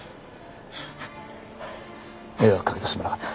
迷惑かけてすまなかった。